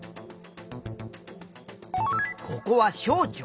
ここは小腸。